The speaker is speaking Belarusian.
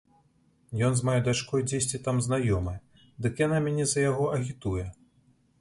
Ён з маёй дачкой дзесьці там знаёмы, дык яна мяне за яго агітуе.